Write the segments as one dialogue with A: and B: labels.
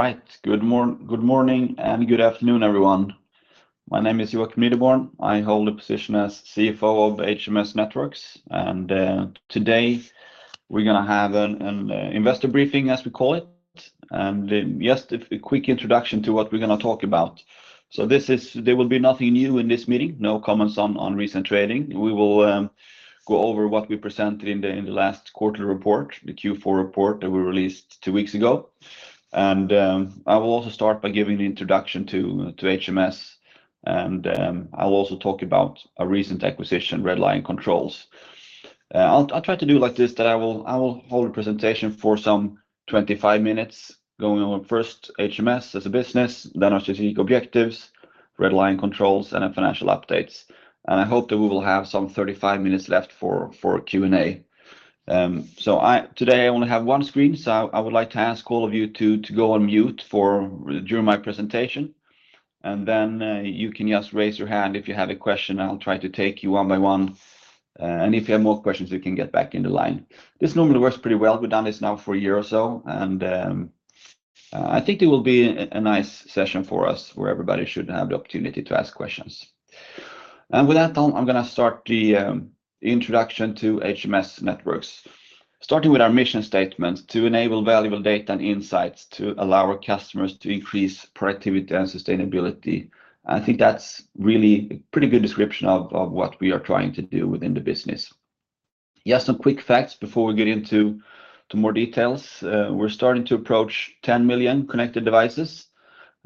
A: All right. Good morning and good afternoon, everyone. My name is Joakim Nideborn. I hold the position as CFO of HMS Networks, and today, we're gonna have an investor briefing, as we call it. And just a quick introduction to what we're gonna talk about. So this is there will be nothing new in this meeting, no comments on recent trading. We will go over what we presented in the last quarterly report, the Q4 report that we released two weeks ago. And I will also start by giving the introduction to HMS, and I will also talk about a recent acquisition, Red Lion Controls. I'll try to do like this, that I will hold a presentation for some 25 minutes, going over first HMS as a business, then our strategic objectives, Red Lion Controls, and then financial updates. I hope that we will have some 35 minutes left for Q&A. So today I only have one screen, so I would like to ask all of you to go on mute during my presentation, and then you can just raise your hand if you have a question, and I'll try to take you one by one. And if you have more questions, you can get back in the line. This normally works pretty well. We've done this now for a year or so, and, I think it will be a nice session for us, where everybody should have the opportunity to ask questions. And with that, I'm gonna start the introduction to HMS Networks, starting with our mission statement, "To enable valuable data and insights to allow our customers to increase productivity and sustainability." I think that's really a pretty good description of what we are trying to do within the business. Just some quick facts before we get into more details. We're starting to approach 10 million connected devices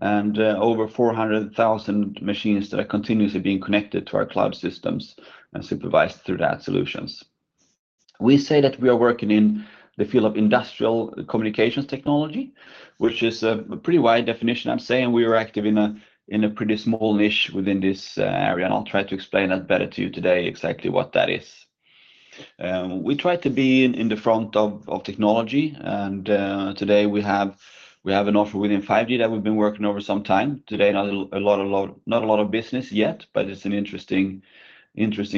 A: and over 400,000 machines that are continuously being connected to our cloud systems and supervised through that solutions. We say that we are working in the field of industrial communications technology, which is a pretty wide definition, I'm saying. We are active in a pretty small niche within this area, and I'll try to explain that better to you today exactly what that is. We try to be in the front of technology, and today we have an offer within 5G that we've been working over some time. Today, not a lot of business yet, but it's an interesting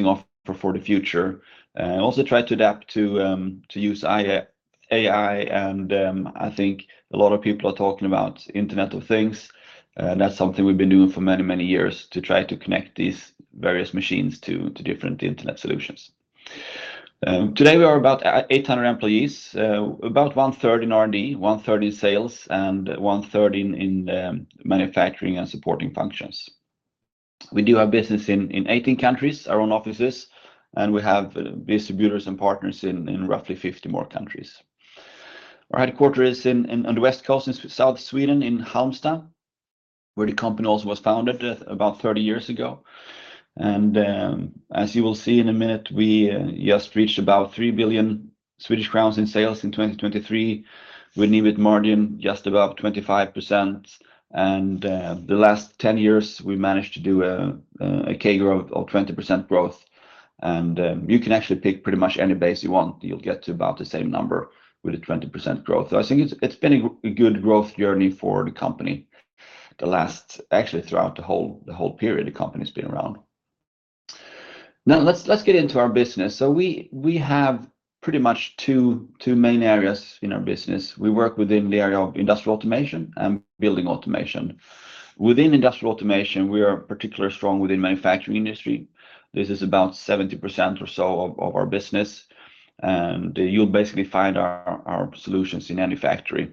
A: offer for the future. And also try to adapt to use AI, and I think a lot of people are talking about Internet of Things, and that's something we've been doing for many years, to try to connect these various machines to different internet solutions. Today we are about 800 employees, about one-third in R&D, one-third in sales, and one-third in manufacturing and supporting functions. We do have business in 18 countries, our own offices, and we have distributors and partners in roughly 50 more countries. Our headquarters is in, on the west coast, in South Sweden, in Halmstad, where the company also was founded, about 30 years ago. As you will see in a minute, we just reached about 3 billion Swedish crowns in sales in 2023, with an EBIT margin just above 25%. The last 10 years, we managed to do a CAGR growth of 20% growth, and you can actually pick pretty much any base you want. You'll get to about the same number with a 20% growth. So I think it's been a good growth journey for the company, the last... actually, throughout the whole, the whole period the company's been around. Now, let's, let's get into our business. So we, we have pretty much two, two main areas in our business. We work within the area of industrial automation and building automation. Within industrial automation, we are particularly strong within manufacturing industry. This is about 70% or so of, of our business, and you'll basically find our, our solutions in any factory.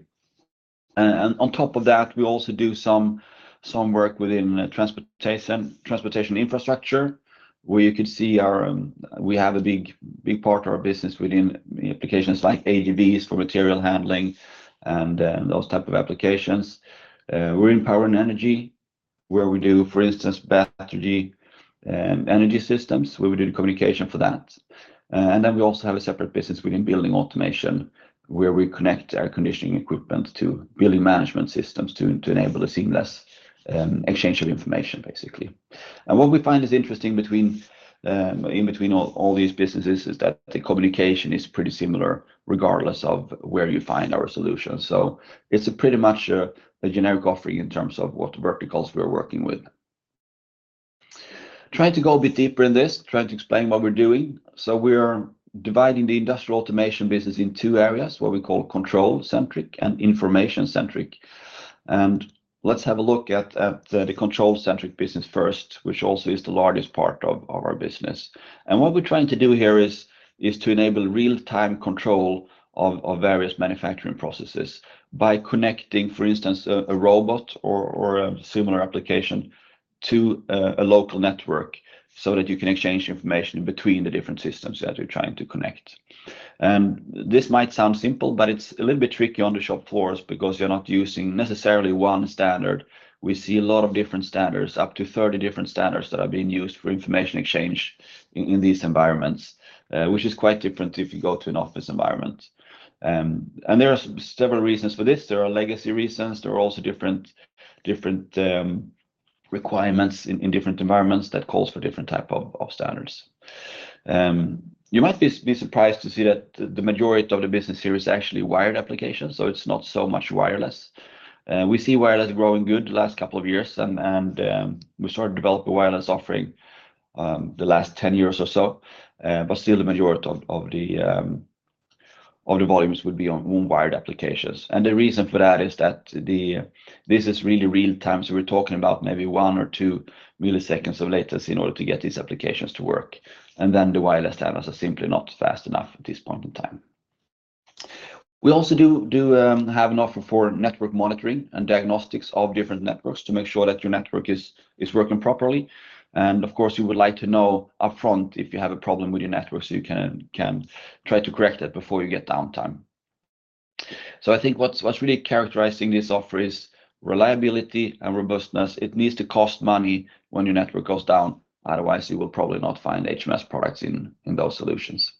A: And on top of that, we also do some, some work within transportation, transportation infrastructure, where you can see our, we have a big, big part of our business within applications like AGVs for material handling and, those type of applications. We're in power and energy, where we do, for instance, battery energy systems, where we do the communication for that. And then we also have a separate business within building automation, where we connect air conditioning equipment to building management systems to enable a seamless exchange of information, basically. And what we find is interesting in between all these businesses is that the communication is pretty similar regardless of where you find our solution. So it's pretty much a generic offering in terms of what verticals we are working with. Trying to go a bit deeper in this, trying to explain what we're doing. So we're dividing the industrial automation business in two areas, what we call control-centric and information-centric. And let's have a look at the control-centric business first, which also is the largest part of our business. What we're trying to do here is to enable real-time control of various manufacturing processes by connecting, for instance, a robot or a similar application to a local network, so that you can exchange information between the different systems that you're trying to connect. This might sound simple, but it's a little bit tricky on the shop floors because you're not using necessarily one standard. We see a lot of different standards, up to 30 different standards, that are being used for information exchange in these environments, which is quite different if you go to an office environment. There are several reasons for this. There are legacy reasons. There are also different requirements in different environments that calls for different type of standards. You might be surprised to see that the majority of the business here is actually wired applications, so it's not so much wireless. We see wireless growing good the last couple of years and we started to develop a wireless offering the last 10 years or so. But still the majority of the volumes would be on wired applications. And the reason for that is that this is really real time, so we're talking about maybe 1 or 2 milliseconds of latency in order to get these applications to work. And then the wireless standards are simply not fast enough at this point in time. We also have an offer for network monitoring and diagnostics of different networks to make sure that your network is working properly. Of course, you would like to know upfront if you have a problem with your network, so you can try to correct it before you get downtime. So I think what's really characterizing this offer is reliability and robustness. It needs to cost money when your network goes down, otherwise you will probably not find HMS products in those solutions.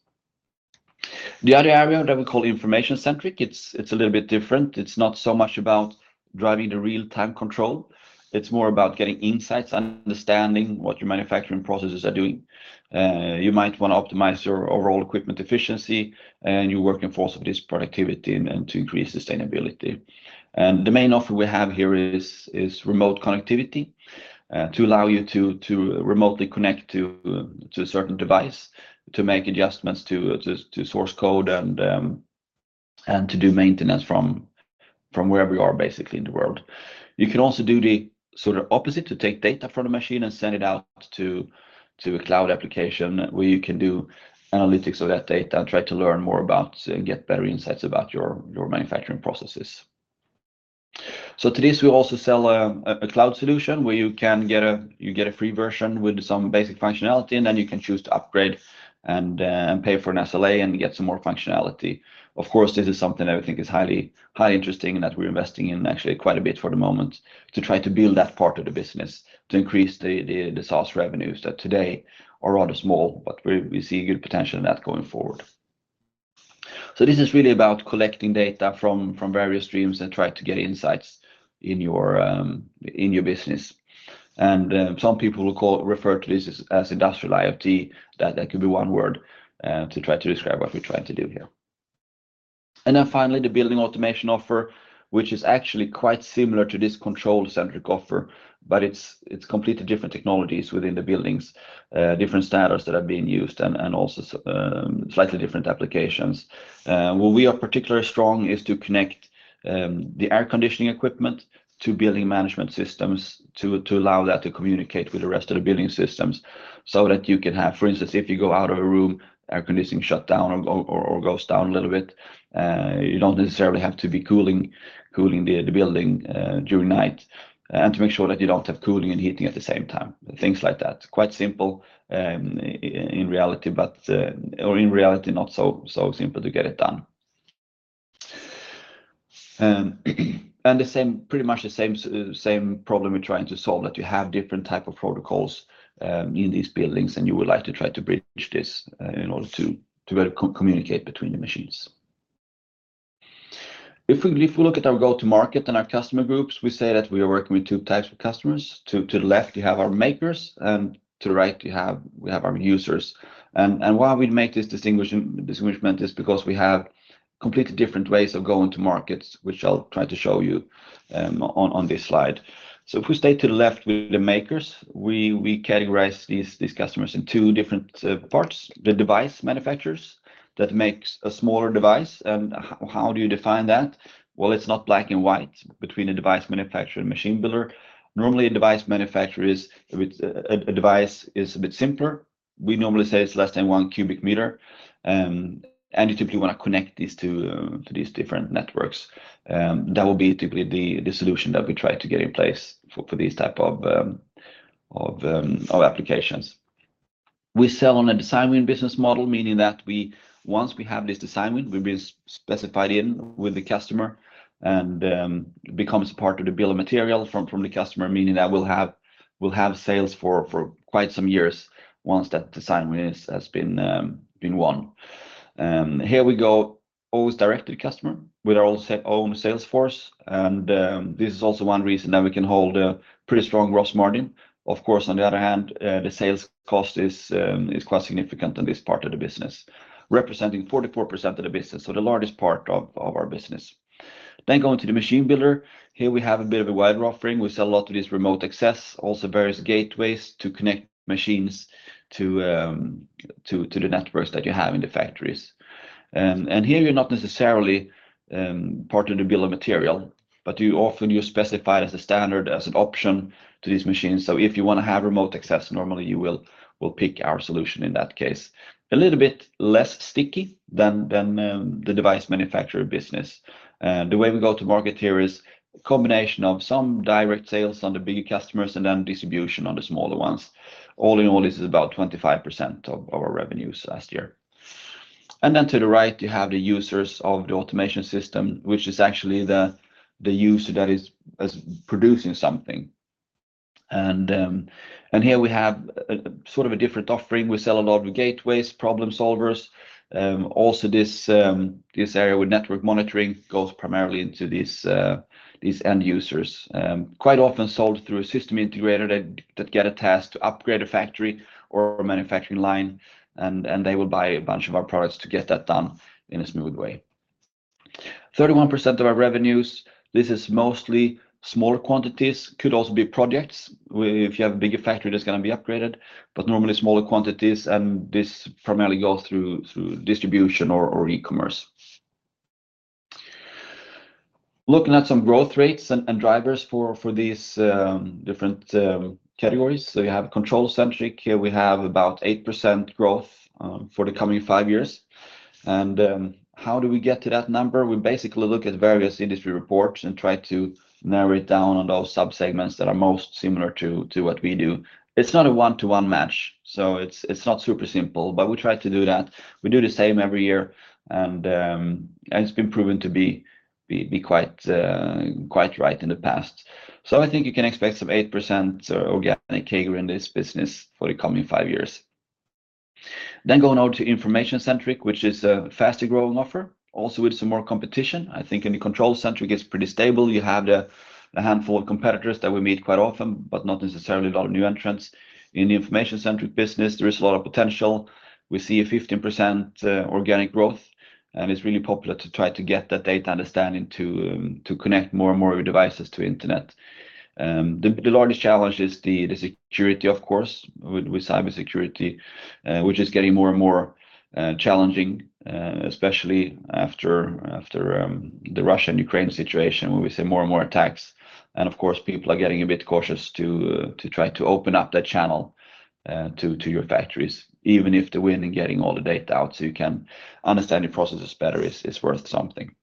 A: The other area that we call information centric, it's a little bit different. It's not so much about driving the real-time control, it's more about getting insights and understanding what your manufacturing processes are doing. You might want to optimize your overall equipment efficiency, and your working force of this productivity and to increase sustainability. The main offer we have here is remote connectivity to allow you to remotely connect to a certain device, to make adjustments to source code and to do maintenance from wherever you are basically in the world. You can also do the sort of opposite, to take data from the machine and send it out to a cloud application, where you can do analytics of that data and try to learn more about and get better insights about your manufacturing processes. So to this, we also sell a cloud solution where you get a free version with some basic functionality, and then you can choose to upgrade and pay for an SLA and get some more functionality. Of course, this is something that we think is highly, highly interesting and that we're investing in actually quite a bit for the moment, to try to build that part of the business, to increase the sales revenues that today are rather small, but we see good potential in that going forward. So this is really about collecting data from various streams and try to get insights in your business. And some people will refer to this as industrial IoT. That could be one word to try to describe what we're trying to do here. And then finally, the building automation offer, which is actually quite similar to this control-centric offer, but it's completely different technologies within the buildings, different standards that are being used and also slightly different applications. Where we are particularly strong is to connect the air conditioning equipment to building management systems, to allow that to communicate with the rest of the building systems. So that you can have for instance, if you go out of a room, air conditioning shut down or goes down a little bit. You don't necessarily have to be cooling the building during night, and to make sure that you don't have cooling and heating at the same time, things like that. Quite simple in reality, but or in reality, not so simple to get it done. The same, pretty much the same problem we're trying to solve, that you have different type of protocols in these buildings, and you would like to try to bridge this in order to be able to communicate between the machines. If we look at our go-to-market and our customer groups, we say that we are working with two types of customers. To the left, you have our makers, and to the right, we have our users. Why we make this distinguishment is because we have completely different ways of going to markets, which I'll try to show you on this slide. If we stay to the left with the makers, we categorize these customers in two different parts. The device manufacturers that make a smaller device. And how do you define that? Well, it's not black and white between a device manufacturer and machine builder. Normally, a device manufacturer is with a, a device is a bit simpler. We normally say it's less than 1 cubic meter. And you typically want to connect these to these different networks. That will be typically the solution that we try to get in place for these type of applications. We sell on a design win business model, meaning that we once we have this design win, we've been specified in with the customer and becomes part of the bill of material from the customer, meaning that we'll have sales for quite some years once that design win has been won. Here we go, always direct to the customer with our own sales force. And this is also one reason that we can hold a pretty strong gross margin. Of course, on the other hand, the sales cost is quite significant in this part of the business, representing 44% of the business, so the largest part of our business. Then going to the machine builder. Here we have a bit of a wider offering. We sell a lot of this remote access, also various gateways to connect machines to the networks that you have in the factories. And here you're not necessarily part of the bill of material, but you often specify it as a standard, as an option to these machines. So if you want to have remote access, normally you will pick our solution in that case. A little bit less sticky than the device manufacturer business. And the way we go to market here is a combination of some direct sales on the bigger customers and then distribution on the smaller ones. All in all, this is about 25% of our revenues last year. And then to the right, you have the users of the automation system, which is actually the user that is producing something. And here we have a sort of a different offering. We sell a lot of gateways, problem solvers, also this area with network monitoring goes primarily into these end users. Quite often sold through a system integrator that get a task to upgrade a factory or a manufacturing line, and they will buy a bunch of our products to get that done in a smooth way. 31% of our revenues, this is mostly smaller quantities, could also be projects where if you have a bigger factory, that's gonna be upgraded but normally smaller quantities, and this primarily goes through distribution or e-commerce. Looking at some growth rates and drivers for these different categories. So you have control-centric. Here we have about 8% growth for the coming five years. How do we get to that number? We basically look at various industry reports and try to narrow it down on those sub-segments that are most similar to what we do. It's not a one-to-one match, so it's not super simple, but we try to do that. We do the same every year, and it's been proven to be quite right in the past. So I think you can expect some 8% organic CAGR in this business for the coming five years. Then going on to information-centric, which is a faster-growing offer. Also, with some more competition, I think in the control-centric, it's pretty stable. You have the handful of competitors that we meet quite often, but not necessarily a lot of new entrants. In the information-centric business, there is a lot of potential. We see a 15% organic growth, and it's really popular to try to get that data understanding to connect more and more devices to internet. The largest challenge is the security, of course, with cybersecurity, which is getting more and more challenging, especially after the Russia and Ukraine situation, where we see more and more attacks. And of course, people are getting a bit cautious to try to open up that channel to your factories, even if the win in getting all the data out so you can understand your processes better is worth something.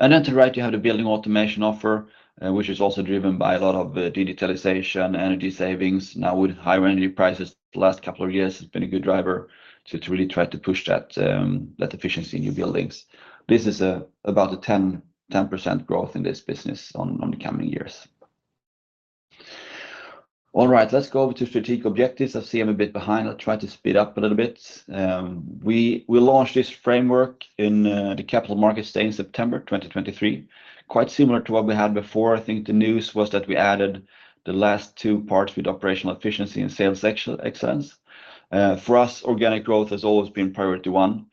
A: And then to the right, you have the building automation offer, which is also driven by a lot of digitalization, energy savings. Now, with higher energy prices, the last couple of years, it's been a good driver to really try to push that efficiency in new buildings. This is about a 10, 10% growth in this business on the coming years. All right, let's go over to strategic objectives. I see I'm a bit behind. I'll try to speed up a little bit. We launched this framework in the capital markets day in September 2023, quite similar to what we had before. I think the news was that we added the last two parts with operational efficiency and sales excellence. For us, organic growth has always been priority one.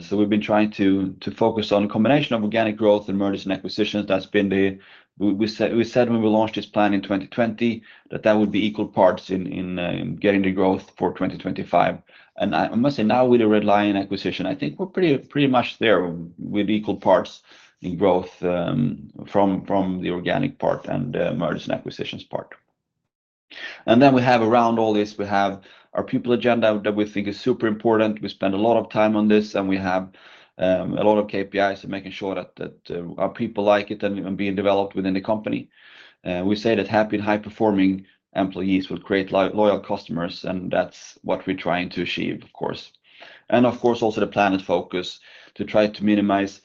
A: So we've been trying to focus on a combination of organic growth and mergers and acquisitions. That's been the... We said when we launched this plan in 2020, that that would be equal parts in getting the growth for 2025. I must say now, with the Red Lion acquisition, I think we're pretty much there with equal parts in growth from the organic part and the mergers and acquisitions part. Then we have around all this, we have our people agenda that we think is super important. We spend a lot of time on this, and we have a lot of KPIs and making sure that our people like it and being developed within the company. We say that happy and high-performing employees will create loyal customers, and that's what we're trying to achieve, of course. And of course, also the planet focus to try to minimize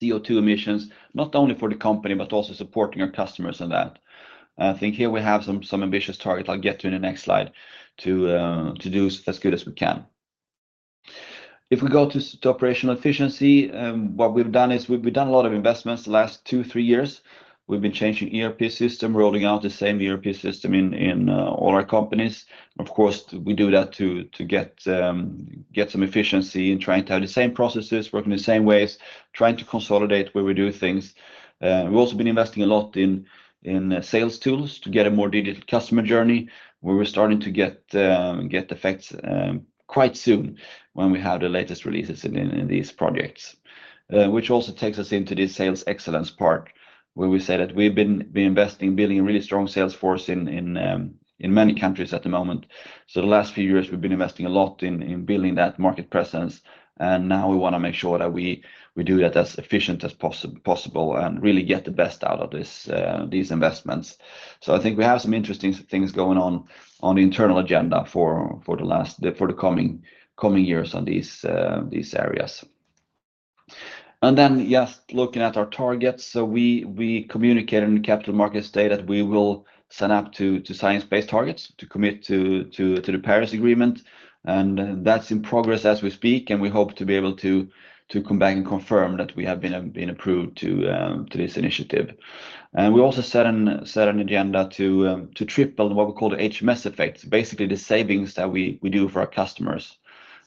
A: CO2 emissions, not only for the company but also supporting our customers in that. I think here we have some ambitious targets I'll get to in the next slide to do as good as we can. If we go to operational efficiency, what we've done is we've done a lot of investments the last 2-3 years. We've been changing ERP system, rolling out the same ERP system in all our companies. Of course, we do that to get some efficiency in trying to have the same processes, working the same ways, trying to consolidate where we do things. We've also been investing a lot in sales tools to get a more digital customer journey, where we're starting to get effects quite soon when we have the latest releases in these projects. Which also takes us into the sales excellence part, where we say that we've been investing in building a really strong sales force in many countries at the moment. So the last few years, we've been investing a lot in building that market presence, and now we wanna make sure that we do that as efficient as possible and really get the best out of this, these investments. So I think we have some interesting things going on the internal agenda for the coming years on these areas. Then, just looking at our targets, we communicated in the capital markets day that we will sign up to science-based targets, to commit to the Paris Agreement, and that's in progress as we speak, and we hope to be able to come back and confirm that we have been approved to this initiative. We also set an agenda to triple what we call the HMS Effect, basically the savings that we do for our customers.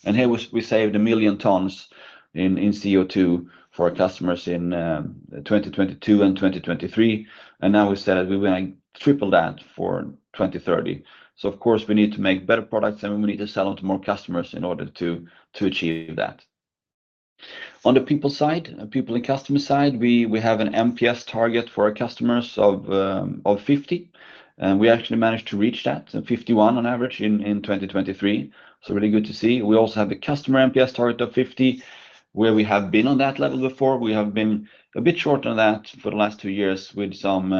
A: Here, we saved 1 million tons in CO2 for our customers in 2022 and 2023, and now we said that we will triple that for 2030. Of course, we need to make better products, and we need to sell them to more customers in order to achieve that. On the people side, people and customer side, we have an NPS target for our customers of 50, and we actually managed to reach that, so 51 on average in 2023, so really good to see. We also have a customer NPS target of 50, where we have been on that level before. We have been a bit short on that for the last two years, with some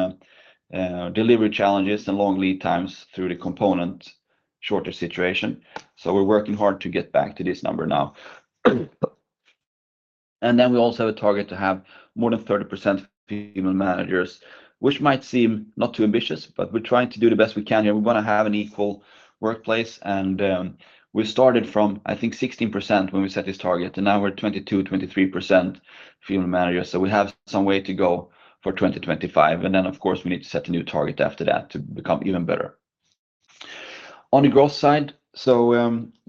A: delivery challenges and long lead times through the component shortage situation. So we're working hard to get back to this number now. And then we also have a target to have more than 30% female managers, which might seem not too ambitious, but we're trying to do the best we can here. We wanna have an equal workplace, and we started from, I think, 16% when we set this target, and now we're 22%-23% female managers. So we have some way to go for 2025, and then, of course, we need to set a new target after that to become even better. On the growth side, so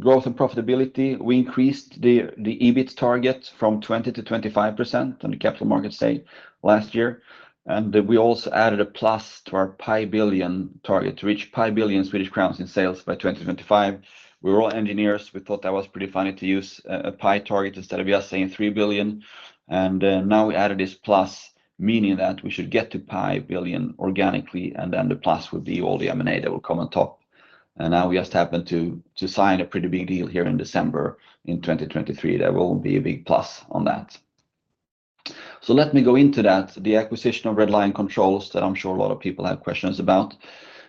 A: growth and profitability, we increased the EBIT target from 20%-25% on the capital market side last year. And then we also added a plus to our Pi billion target to reach Pi billion SEK in sales by 2025. We're all engineers. We thought that was pretty funny to use a Pi target instead of just saying 3 billion SEK. Now we added this plus, meaning that we should get to 1 billion organically, and then the plus would be all the M&A that will come on top. Now we just happened to sign a pretty big deal here in December 2023. There will be a big plus on that. So let me go into that, the acquisition of Red Lion Controls that I'm sure a lot of people have questions about.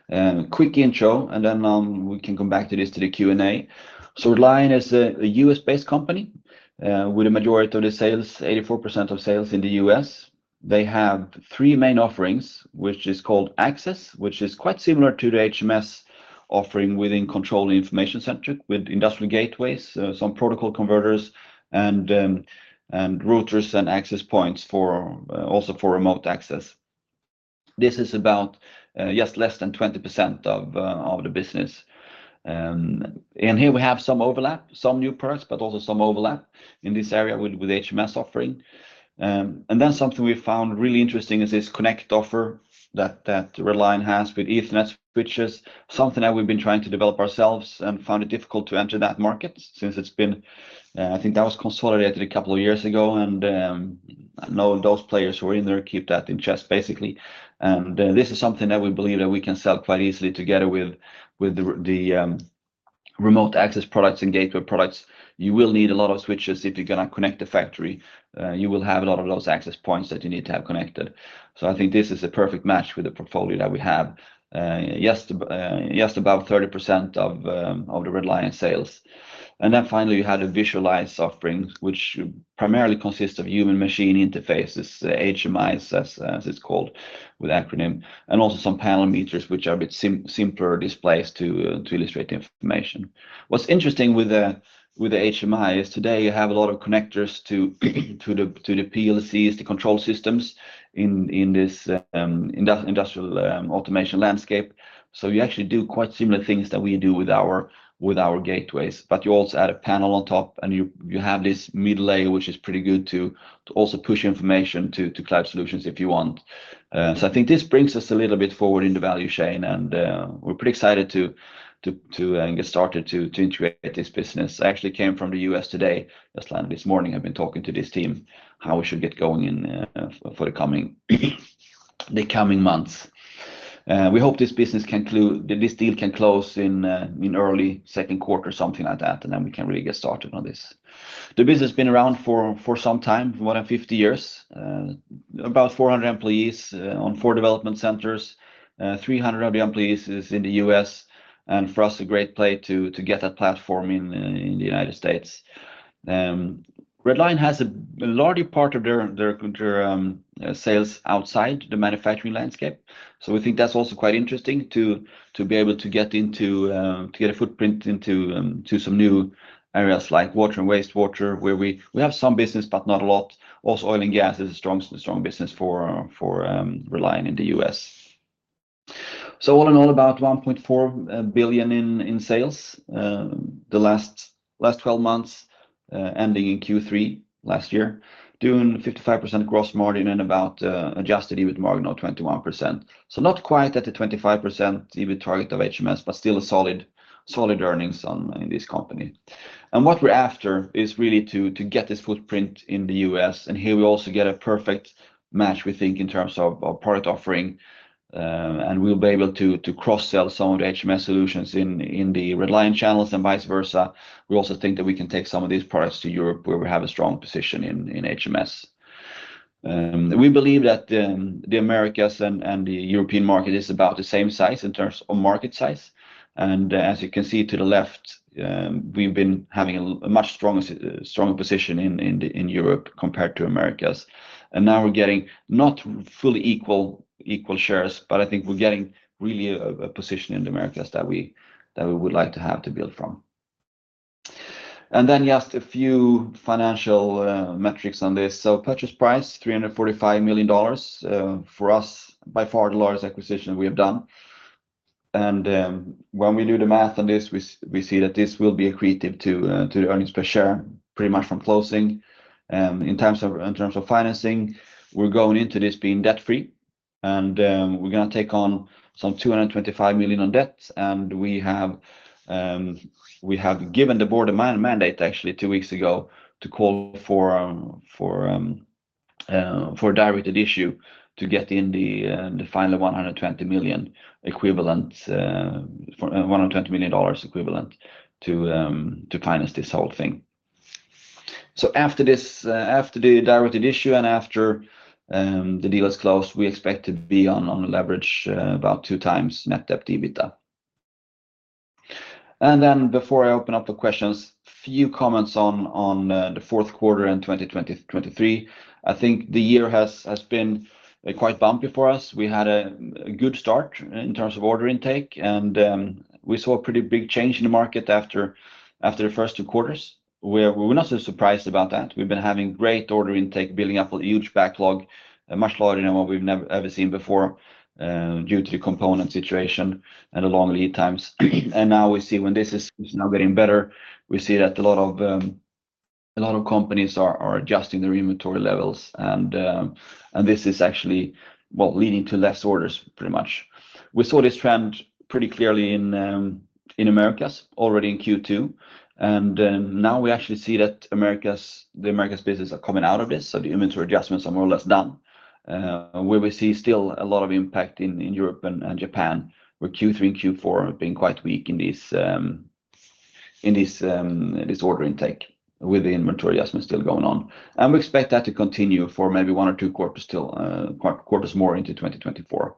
A: And quick intro, and then we can come back to this to the Q&A. So Red Lion is a U.S.-based company with a majority of the sales, 84% of sales in the U.S. They have three main offerings, which is called Access, which is quite similar to the HMS offering within control information centric with industrial gateways, some protocol converters and, and routers and access points for, also for remote access. This is about, just less than 20% of, of the business. And here we have some overlap, some new products, but also some overlap in this area with, with HMS offering. And then something we found really interesting is this Connect offer that, that Red Lion has with Ethernet, which is something that we've been trying to develop ourselves and found it difficult to enter that market since it's been—I think that was consolidated a couple of years ago, and, I know those players who are in there keep that close to the chest, basically. This is something that we believe that we can sell quite easily together with the remote access products and gateway products. You will need a lot of switches if you're gonna connect the factory. You will have a lot of those access points that you need to have connected. So I think this is a perfect match with the portfolio that we have. Just about 30% of the Red Lion sales. And then finally, you had a Visualize offering, which primarily consists of human machine interfaces, HMIs, as it's called with acronym, and also some panel meters, which are a bit simpler displays to illustrate the information. What's interesting with the HMI is today you have a lot of connectors to the PLCs, the control systems in this industrial automation landscape. So you actually do quite similar things that we do with our gateways, but you also add a panel on top, and you have this middle layer, which is pretty good to also push information to cloud solutions if you want. So I think this brings us a little bit forward in the value chain, and we're pretty excited to get started to integrate this business. I actually came from the US today, just landed this morning. I've been talking to this team how we should get going for the coming months. We hope this deal can close in early second quarter, something like that, and then we can really get started on this. The business has been around for some time, more than 50 years, about 400 employees, on 4 development centers, 300 of the employees is in the U.S., and for us, a great play to get that platform in the United States. Red Lion has a larger part of their sales outside the manufacturing landscape. So we think that's also quite interesting to be able to get into, to get a footprint into, to some new areas like water and wastewater, where we have some business, but not a lot. Also, oil and gas is a strong business for Red Lion in the U.S. So all in all, about 1.4 billion in sales, the last twelve months, ending in Q3 last year, doing 55% gross margin and about adjusted EBIT margin of 21%. So not quite at the 25% EBIT target of HMS, but still a solid earnings on in this company. And what we're after is really to get this footprint in the U.S., and here we also get a perfect match, we think, in terms of product offering, and we'll be able to cross-sell some of the HMS solutions in the Red Lion channels and vice versa. We also think that we can take some of these products to Europe, where we have a strong position in HMS. We believe that the Americas and the European market is about the same size in terms of market size. And as you can see to the left, we've been having a much stronger position in Europe compared to Americas. And now we're getting not fully equal shares, but I think we're getting really a position in the Americas that we would like to have to build from. And then just a few financial metrics on this. So purchase price, $345 million, for us, by far the largest acquisition we have done. And when we do the math on this, we see that this will be accretive to the earnings per share, pretty much from closing. In terms of financing, we're going into this being debt-free, and we're gonna take on some $225 million in debt. And we have given the board a mandate, actually, two weeks ago, to call for a directed issue to get in the final $120 million equivalent, one hundred and twenty million dollars equivalent to finance this whole thing. So after this, after the directed issue and after the deal is closed, we expect to be on a leverage about 2x net debt to EBITDA. And then before I open up the questions, few comments on the fourth quarter and 2023. I think the year has been quite bumpy for us. We had a good start in terms of order intake, and we saw a pretty big change in the market after the first two quarters. We were not so surprised about that. We've been having great order intake, building up a huge backlog, much larger than what we've never ever seen before, due to the component situation and the long lead times. And now we see when this is now getting better, we see that a lot of companies are adjusting their inventory levels, and this is actually, well, leading to less orders, pretty much. We saw this trend pretty clearly in Americas already in Q2, and then now we actually see that Americas, the Americas business are coming out of this, so the inventory adjustments are more or less done. Where we see still a lot of impact in Europe and Japan, where Q3 and Q4 have been quite weak in this order intake with the inventory adjustment still going on. We expect that to continue for maybe one or two quarters till quarters more into 2024.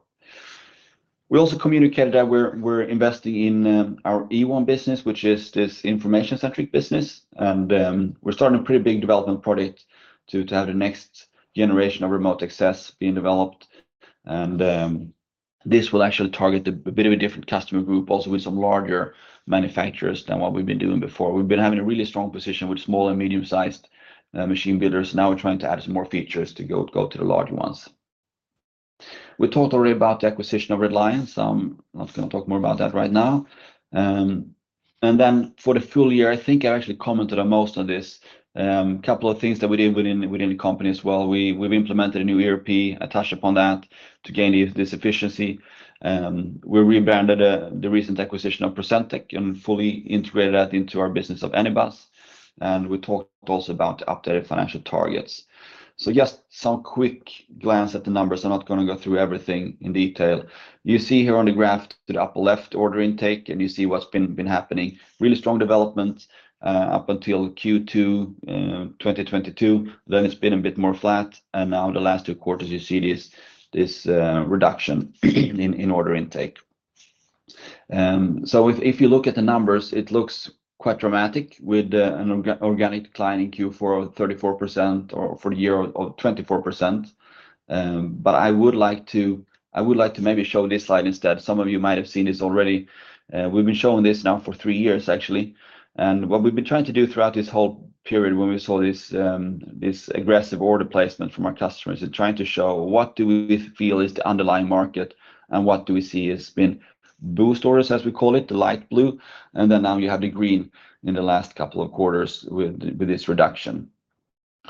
A: We also communicated that we're investing in our Ewon business, which is this information-centric business, and we're starting a pretty big development project to have the next generation of remote access being developed. This will actually target a bit of a different customer group, also with some larger manufacturers than what we've been doing before. We've been having a really strong position with small and medium-sized machine builders. Now we're trying to add some more features to go to the larger ones. We talked already about the acquisition of Red Lion. I'm not going to talk more about that right now. And then for the full year, I think I actually commented on most of this. Couple of things that we did within the company as well. We've implemented a new ERP on top of that, to gain this efficiency. We rebranded the recent acquisition of Procentec and fully integrated that into our business of Anybus. And we talked also about the updated financial targets. So just some quick glance at the numbers. I'm not going to go through everything in detail. You see here on the graph, to the upper left, order intake, and you see what's been happening. Really strong development up until Q2 2022, then it's been a bit more flat, and now the last two quarters, you see this reduction in order intake. So if you look at the numbers, it looks quite dramatic with an organic decline in Q4 of 34% or for the year of 24%. But I would like to maybe show this slide instead. Some of you might have seen this already. We've been showing this now for three years actually, and what we've been trying to do throughout this whole period when we saw this, this aggressive order placement from our customers is trying to show what do we feel is the underlying market and what we see has been boost orders, as we call it, the light blue, and then now you have the green in the last couple of quarters with, with this reduction.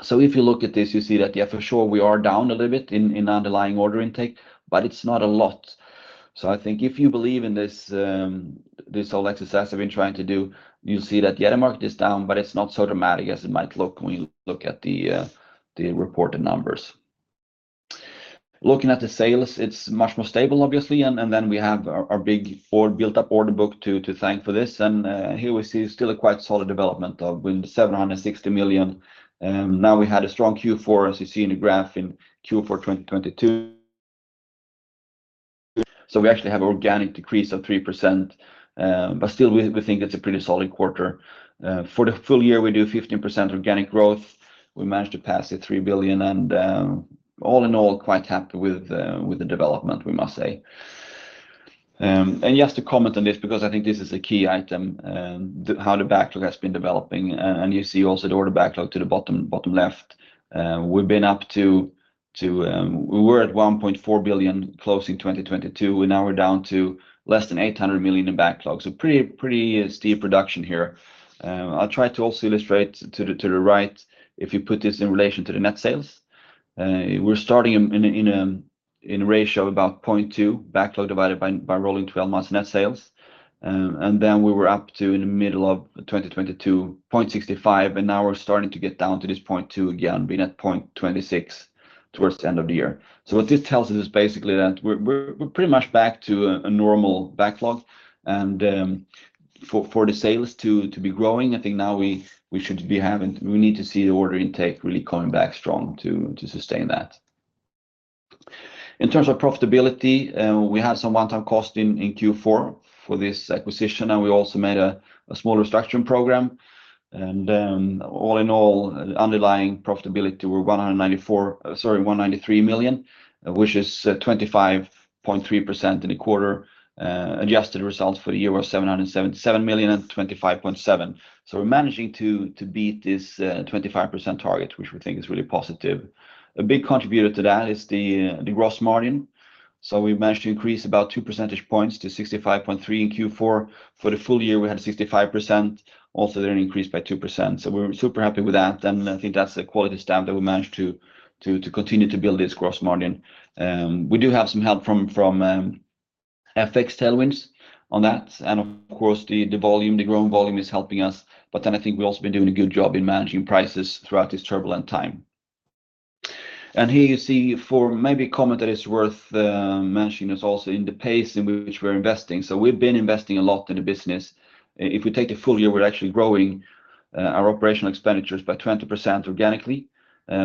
A: So if you look at this, you see that, yeah, for sure, we are down a little bit in, in underlying order intake, but it's not a lot. So I think if you believe in this, this whole exercise I've been trying to do, you'll see that, yeah, the market is down, but it's not so dramatic as it might look when you look at the, the reported numbers. Looking at the sales, it's much more stable, obviously, and then we have our big order built-up order book to thank for this. And here we see still a quite solid development with 760 million. Now we had a strong Q4, as you see in the graph in Q4 2022. So we actually have organic decrease of 3%, but still we think it's a pretty solid quarter. For the full year, we do 15% organic growth. We managed to pass the 3 billion and, all in all, quite happy with the development, we must say. And just to comment on this, because I think this is a key item, the how the backlog has been developing, and you see also the order backlog to the bottom left. We've been up to... We were at 1.4 billion closing 2022, and now we're down to less than 800 million in backlog. So pretty, pretty steep reduction here. I'll try to also illustrate to the right, if you put this in relation to the net sales. We're starting in a ratio of about 0.2, backlog divided by rolling 12 months net sales. And then we were up to in the middle of 2022, 0.65, and now we're starting to get down to this 0.2 again, being at 0.26 towards the end of the year. So what this tells us is basically that we're pretty much back to a normal backlog and for the sales to be growing, I think now we should be having—we need to see the order intake really coming back strong to sustain that. In terms of profitability, we had some one-time cost in Q4 for this acquisition, and we also made a small restructuring program. All in all, underlying profitability were 193 million, sorry, which is 25.3% in the quarter. Adjusted results for the year were 777 million and 25.7%. So we're managing to beat this 25% target, which we think is really positive. A big contributor to that is the gross margin. So we managed to increase about two percentage points to 65.3% in Q4. For the full year, we had 65%, also an increase by 2%. So we're super happy with that, and I think that's a quality stamp that we managed to continue to build this gross margin. We do have some help from FX tailwinds on that, and of course, the volume, the growing volume is helping us, but then I think we've also been doing a good job in managing prices throughout this turbulent time. And here you see for maybe a comment that is worth mentioning is also in the pace in which we're investing. So we've been investing a lot in the business. If we take the full year, we're actually growing our operational expenditures by 20% organically,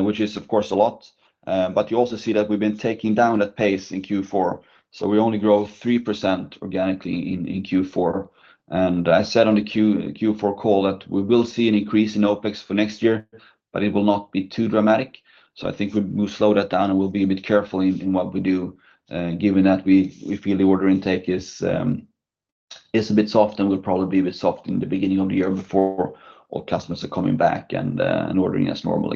A: which is, of course, a lot. But you also see that we've been taking down that pace in Q4, so we only grow 3% organically in Q4. And I said on the Q4 call that we will see an increase in OpEx for next year, but it will not be too dramatic. So I think we'll slow that down, and we'll be a bit careful in what we do, given that we feel the order intake is a bit soft and will probably be a bit soft in the beginning of the year before all customers are coming back and ordering as normal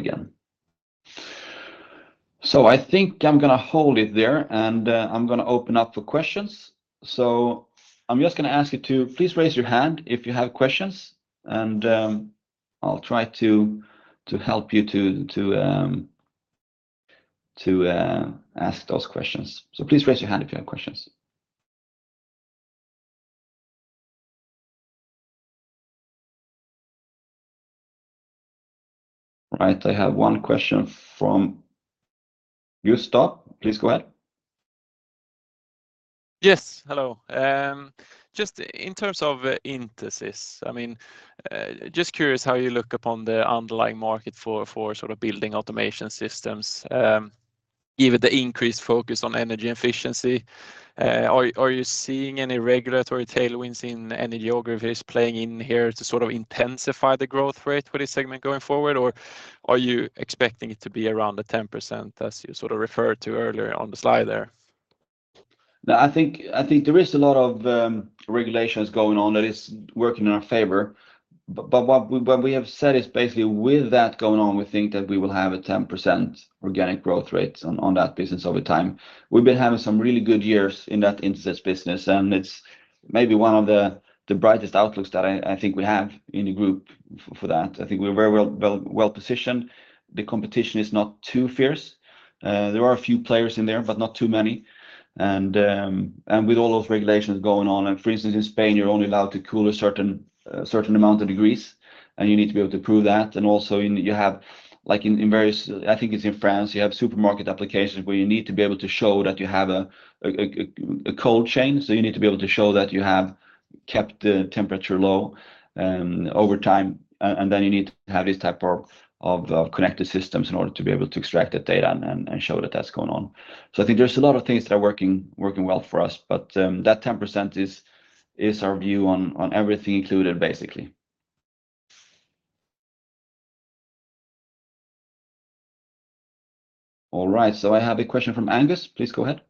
A: again—so I think I'm gonna hold it there, and I'm gonna open up for questions. So I'm just gonna ask you to please raise your hand if you have questions, and I'll try to help you ask those questions. So please raise your hand if you have questions. Right, I have one question from Gustav. Please go ahead.
B: Yes, hello. Just in terms of Intesis, I mean, just curious how you look upon the underlying market for sort of building automation systems, given the increased focus on energy efficiency. Are you seeing any regulatory tailwinds in any geographies playing in here to sort of intensify the growth rate for this segment going forward? Or are you expecting it to be around the 10%, as you sort of referred to earlier on the slide there?
A: No, I think, I think there is a lot of regulations going on that is working in our favor. But, but what we, what we have said is basically with that going on, we think that we will have a 10% organic growth rate on, on that business over time. We've been having some really good years in that Intesis business, and it's maybe one of the, the brightest outlooks that I, I think we have in the group for that. I think we're very well-positioned. The competition is not too fierce. There are a few players in there, but not too many. And, and with all those regulations going on, and for instance, in Spain, you're only allowed to cool a certain, certain amount of degrees, and you need to be able to prove that. And also in... You have, like, in various, I think it's in France, you have supermarket applications where you need to be able to show that you have a cold chain. So you need to be able to show that you have kept the temperature low over time, and then you need to have this type of connected systems in order to be able to extract that data and show that that's going on. So I think there's a lot of things that are working well for us, but that 10% is our view on everything included, basically. All right, so I have a question from Angus. Please go ahead.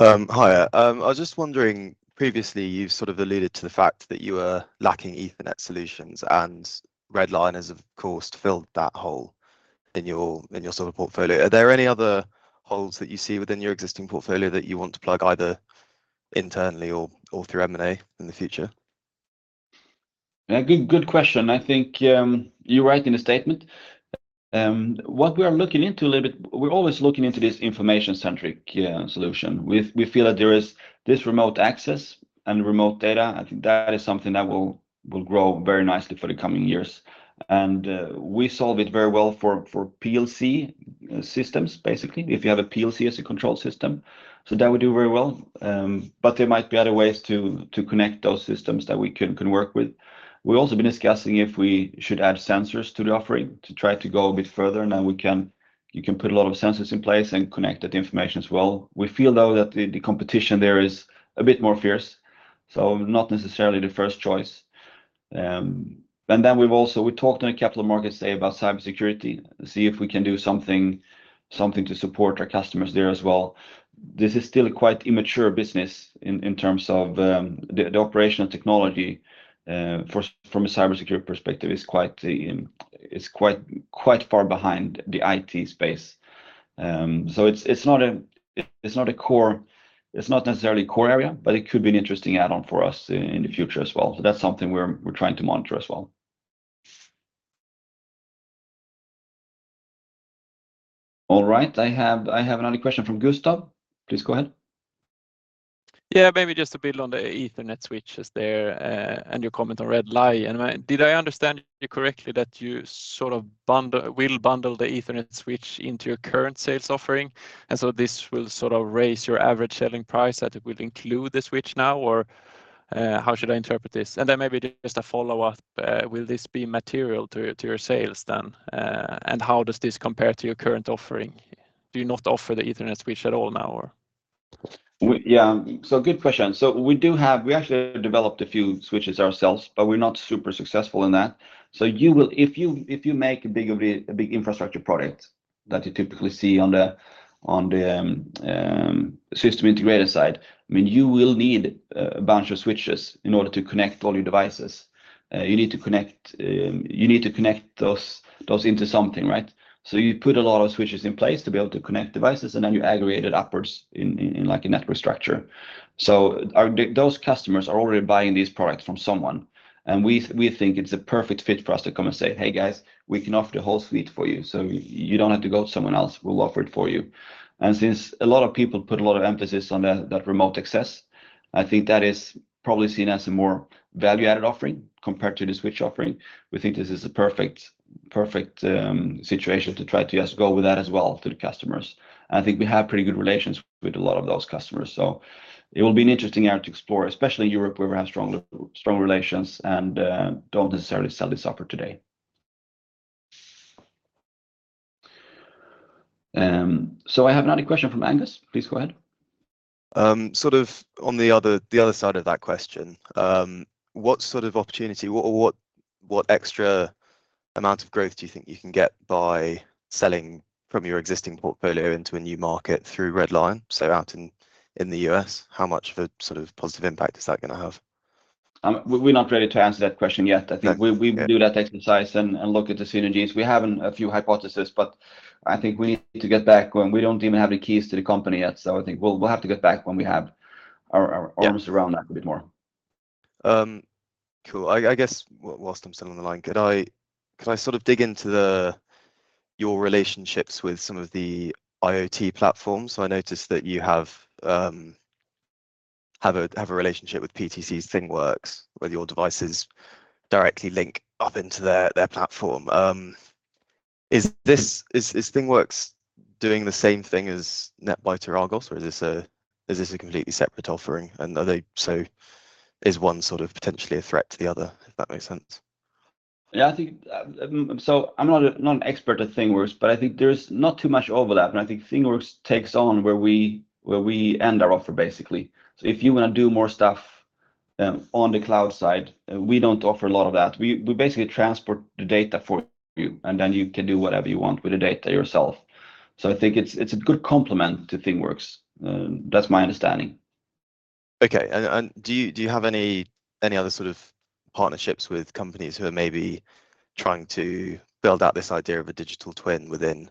C: Hiya. I was just wondering, previously, you sort of alluded to the fact that you were lacking Ethernet solutions, and Red Lion has, of course, filled that hole in your, in your sort of portfolio. Are there any other holes that you see within your existing portfolio that you want to plug, either internally or, or through M&A in the future?
A: Yeah, good, good question. I think, you're right in the statement. What we are looking into a little bit, we're always looking into this information-centric solution. We feel that there is this remote access and remote data. I think that is something that will grow very nicely for the coming years, and we solve it very well for PLC systems, basically, if you have a PLC as a control system, so that we do very well. But there might be other ways to connect those systems that we can work with. We've also been discussing if we should add sensors to the offering to try to go a bit further, and then you can put a lot of sensors in place and connect that information as well. We feel, though, that the competition there is a bit more fierce, so not necessarily the first choice. And then we've also talked on the capital market, say, about cybersecurity, to see if we can do something to support our customers there as well. This is still a quite immature business in terms of the operational technology. From a cybersecurity perspective, it's quite far behind the IT space. So it's not necessarily a core area, but it could be an interesting add-on for us in the future as well. So that's something we're trying to monitor as well. All right. I have another question from Gustav. Please go ahead.
B: Yeah, maybe just to build on the Ethernet switches there, and your comment on Red Lion. Did I understand you correctly, that you will bundle the Ethernet switch into your current sales offering, and so this will sort of raise your average selling price, that it will include the switch now? Or, how should I interpret this? Then maybe just a follow-up, will this be material to your sales then, and how does this compare to your current offering? Do you not offer the Ethernet switch at all now or?
A: Yeah, so good question. So we do have - we actually developed a few switches ourselves, but we're not super successful in that. So you will. If you make a big infrastructure product that you typically see on the system integrator side, I mean, you will need a bunch of switches in order to connect all your devices. You need to connect those into something, right? So you put a lot of switches in place to be able to connect devices, and then you aggregate it upwards in like a network structure. So those customers are already buying these products from someone, and we, we think it's a perfect fit for us to come and say, "Hey, guys, we can offer the whole suite for you, so you don't have to go to someone else. We'll offer it for you." And since a lot of people put a lot of emphasis on that, that remote access, I think that is probably seen as a more value-added offering compared to the switch offering. We think this is a perfect, perfect, situation to try to just go with that as well to the customers. I think we have pretty good relations with a lot of those customers, so it will be an interesting area to explore, especially Europe, where we have strong, strong relations and, don't necessarily sell this offer today. So I have another question from Angus. Please go ahead.
C: Sort of on the other side of that question, what sort of opportunity, what extra amount of growth do you think you can get by selling from your existing portfolio into a new market through Red Lion, so out in the U.S.? How much of a sort of positive impact is that gonna have?
A: We're not ready to answer that question yet.
C: Okay.
A: I think we will do that exercise and look at the synergies. We have a few hypotheses, but I think we need to get back when we don't even have the keys to the company yet. So I think we'll have to get back when we have our—
C: Yeah.
A: Arms around that a bit more.
C: Cool. I guess while I'm still on the line, could I sort of dig into your relationships with some of the IoT platforms? So I noticed that you have a relationship with PTC's ThingWorx, where your devices directly link up into their platform. Is this—is ThingWorx doing the same thing as Netbiter or Argos, or is this a completely separate offering? And are they—so is one sort of potentially a threat to the other, if that makes sense?
A: Yeah, I think, so I'm not a, not an expert at ThingWorx, but I think there's not too much overlap. And I think ThingWorx takes on where we, where we end our offer, basically. So if you wanna do more stuff, on the cloud side, we don't offer a lot of that. We, we basically transport the data for you, and then you can do whatever you want with the data yourself. So I think it's, it's a good complement to ThingWorx. That's my understanding.
C: Okay. And do you have any other sort of partnerships with companies who are maybe trying to build out this idea of a digital twin within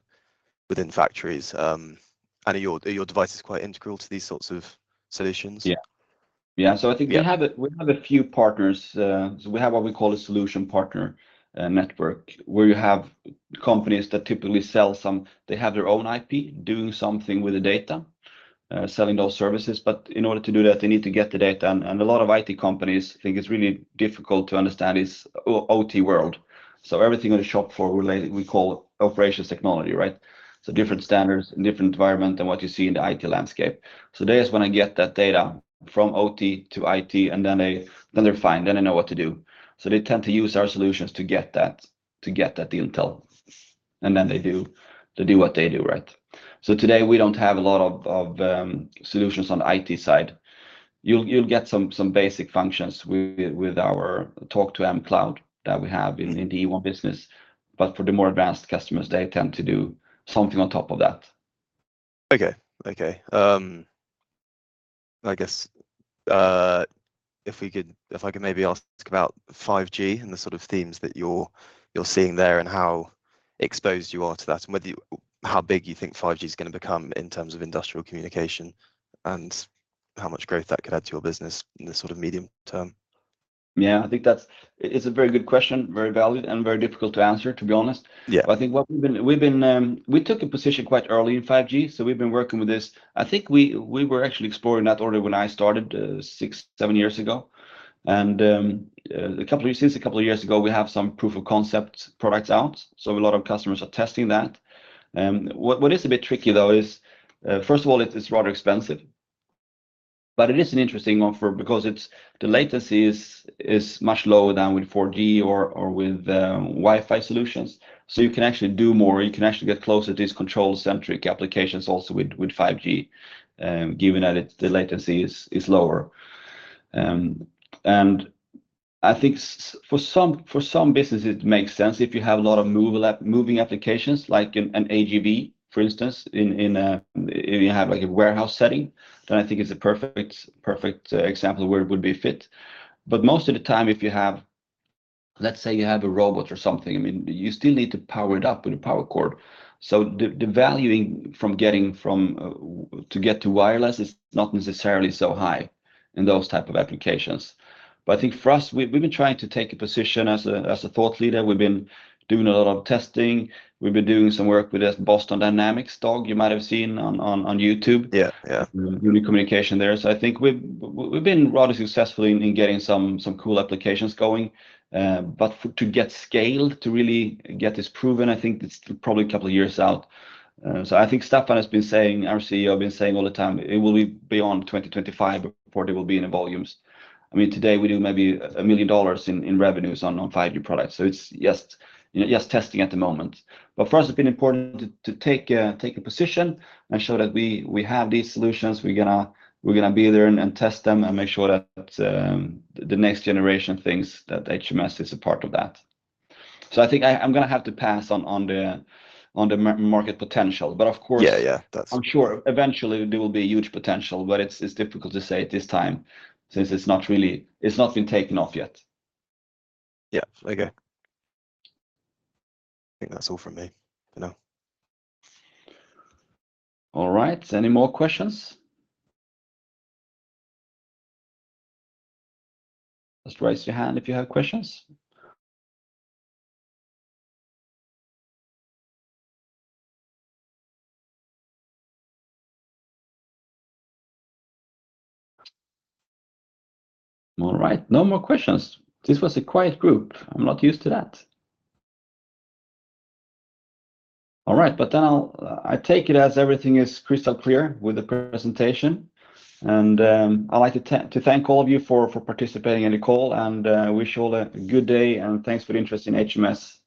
C: factories? And are your devices quite integral to these sorts of solutions?
A: Yeah. Yeah, so I think—
C: Yeah.
A: We have a few partners. So we have what we call a solution partner network, where you have companies that typically sell some—they have their own IP, doing something with the data, selling those services. But in order to do that, they need to get the data. And a lot of IT companies think it's really difficult to understand the OT world. So everything on the shop floor related, we call operations technology, right? So different standards and different environment than what you see in the IT landscape. So they just wanna get that data from OT to IT, and then they, then they're fine, then they know what to do. So they tend to use our solutions to get that intel, and then they do what they do, right? So today, we don't have a lot of solutions on the IT side. You'll get some basic functions with our Talk2M cloud that we have in the Ewon business. But for the more advanced customers, they tend to do something on top of that.
C: Okay, okay. I guess if we could, if I could maybe ask about 5G and the sort of themes that you're, you're seeing there, and how exposed you are to that, and whether you... How big you think 5G is gonna become in terms of industrial communication, and how much growth that could add to your business in the sort of medium term?
A: Yeah, I think that's... It's a very good question, very valid, and very difficult to answer, to be honest.
C: Yeah.
A: But I think what we've been. We took a position quite early in 5G, so we've been working with this. I think we were actually exploring that already when I started, six, seven years ago. Since a couple of years ago, we have some proof of concept products out, so a lot of customers are testing that. What is a bit tricky though is, first of all, it's rather expensive, but it is an interesting offer because it's. The latency is much lower than with 4G or with Wi-Fi solutions. So you can actually do more, you can actually get closer to these control-centric applications also with 5G, given that the latency is lower. And I think for some businesses, it makes sense if you have a lot of moving applications, like an AGV, for instance, in a warehouse setting, then I think it's a perfect example of where it would be a fit. But most of the time, if you have, let's say you have a robot or something, I mean, you still need to power it up with a power cord. So the value in getting to wireless is not necessarily so high in those types of applications. But I think for us, we've been trying to take a position as a thought leader. We've been doing a lot of testing. We've been doing some work with the Boston Dynamics dog you might have seen on YouTube.
C: Yeah, yeah.
A: Real communication there. So I think we've been rather successful in getting some cool applications going. But to get scaled, to really get this proven, I think it's probably a couple of years out. So I think Staffan has been saying, our CEO, has been saying all the time, it will be beyond 2025 before they will be in the volumes. I mean, today we do maybe $1 million in revenues on 5G products, so it's just, yeah, just testing at the moment. But first, it's been important to take a position and show that we have these solutions. We're gonna be there and test them and make sure that the next generation thinks that HMS is a part of that. So I think I'm gonna have to pass on the market potential. But of course—
C: Yeah, yeah, that's—
A: I'm sure eventually there will be a huge potential, but it's, it's difficult to say at this time, since it's not really—it's not been taken off yet.
C: Yeah. Okay. I think that's all from me for now.
A: All right, any more questions? Just raise your hand if you have questions. All right, no more questions. This was a quiet group. I'm not used to that. All right, but then I'll, I take it as everything is crystal clear with the presentation, and, I'd like to thank all of you for participating in the call, and wish you all a good day, and thanks for the interest in HMS.